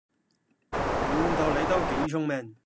估唔到你都幾聰明